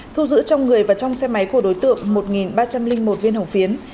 thu giữ trong người và trong xe máy của đối tượng một ba trăm linh một viên hồng phiến